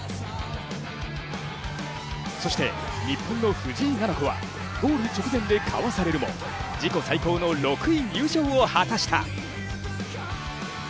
そして日本の藤井菜々子はゴール直前でかわされるも自己最高の６位入賞を果たした。